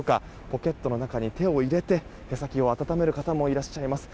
ポケットの中に手を入れて手先を温める方もいらっしゃいます。